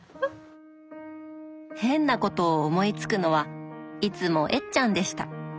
変なことを思いつくのはいつもえっちゃんでした。